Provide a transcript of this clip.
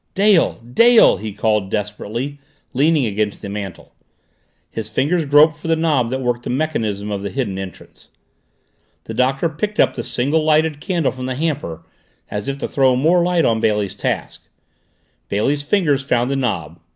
"Dale! Dale!" he called desperately, leaning against the mantel. His fingers groped for the knob that worked the mechanism of the hidden entrance. The Doctor picked up the single lighted candle from the hamper, as if to throw more light on Bailey's task. Bailey's fingers found the knob.